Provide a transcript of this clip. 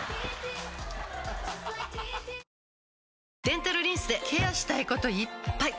デンタルリンスでケアしたいこといっぱい！